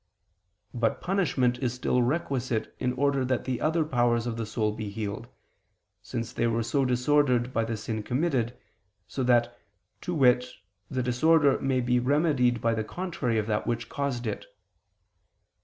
But punishment is still requisite in order that the other powers of the soul be healed, since they were so disordered by the sin committed, so that, to wit, the disorder may be remedied by the contrary of that which caused it.